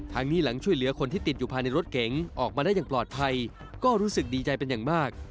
นี้หลังช่วยเหลือคนที่ติดอยู่ภายในรถเก๋งออกมาได้อย่างปลอดภัยก็รู้สึกดีใจเป็นอย่างมาก